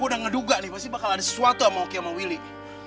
gue udah ngeduga nih pasti bakal ada sesuatu yang mau oke sama willy